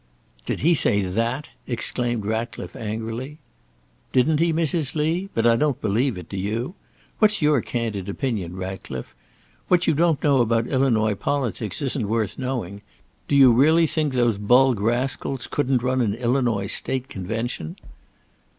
"Did he say that?" exclaimed Ratcliffe angrily. "Didn't he, Mrs. Lee? but I don't believe it; do you? What's your candid opinion, Ratcliffe? What you don't know about Illinois politics isn't worth knowing; do you really think those Bulgrascals couldn't run an Illinois state convention?"